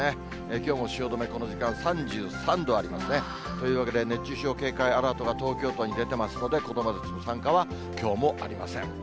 きょうも汐留、この時間、３３度ありますね。というわけで、熱中症警戒アラートが東京都に出てますので、子どもたちの参加はきょうもありません。